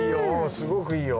すごくいいよ。